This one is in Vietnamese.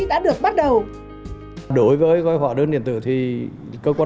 đã được bắt đầu